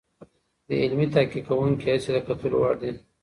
د علمي تحقیقونکي هڅې د کتلو وړ دي.